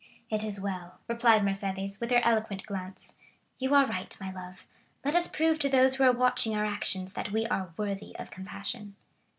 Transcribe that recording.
"It is well," replied Mercédès, with her eloquent glance; "you are right, my love; let us prove to those who are watching our actions that we are worthy of compassion."